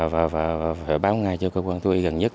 và báo ngay cho cơ quan thu y gần nhất